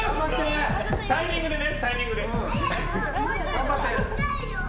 タイミングでね！